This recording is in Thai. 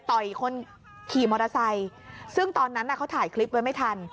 คนขี่มอเตอร์ไซค์ซึ่งตอนนั้นเขาถ่ายคลิปไว้ไม่ทัน